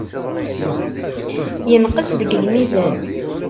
Yenqes deg lmizan.